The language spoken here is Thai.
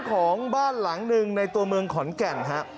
ของบ้านหลังหนึ่งในตัวเมืองขอนแก่นฮะ